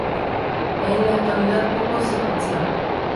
En la actualidad poco se conserva.